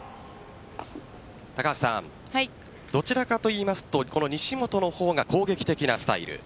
高橋さん、どちらかと言いますと西本の方が攻撃的なスタイル。